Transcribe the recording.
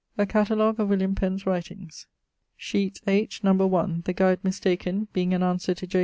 A Catalogue of William Penn's writings. SHEETS. NO. 8. 1. The guide mistaken, being an answer to J.